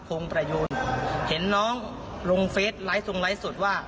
คงประยูนเห็นน้องลงเฟสไลค์ทรงไลฟ์สดว่า